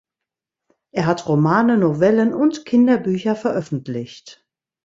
Er hat Romane, Novellen und Kinderbücher veröffentlicht.